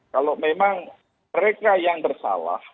kalau memang mereka yang bersalah